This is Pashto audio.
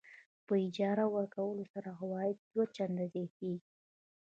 په اجاره ورکولو سره عواید دوه چنده زیاتېږي.